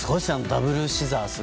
ダブルシザース。